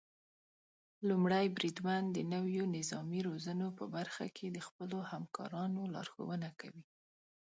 لومړی بریدمن د نويو نظامي روزنو په برخه کې د خپلو همکارانو لارښونه کوي.